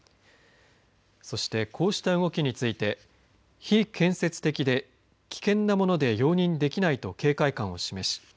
そして、こうした動きについて非建設的で危険なもので容認できないと警戒感を示し